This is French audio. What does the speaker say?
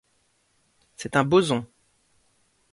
C'est un boson.